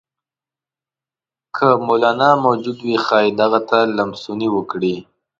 که مولنا موجود وي ښايي دغه ته لمسونې وکړي.